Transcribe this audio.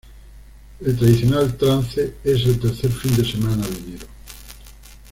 El tradicional "trance" es el tercer fin de semana de enero.